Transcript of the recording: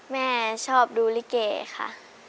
แม่ชอบดูลิเกค่ะ